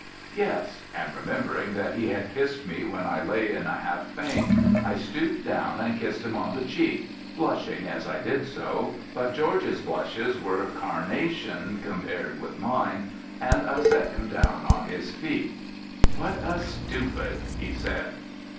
"Yes," and remembering that he had kissed me when I lay in a half faint, I stooped down and kissed him on the cheek blushing as I did so, but George's blushes were carnation compared with mine, and I set him down on his feet. "What a stupid," he said.